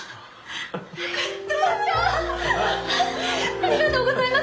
ありがとうございます！